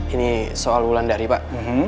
ini soal wulan dari pak